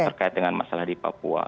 terkait dengan masalah di papua